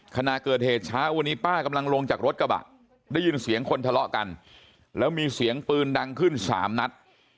ขณะเกิดเหตุเช้าวันนี้ป้ากำลังลงจากรถกระบะได้ยินเสียงคนทะเลาะกันแล้วมีเสียงปืนดังขึ้น๓นัด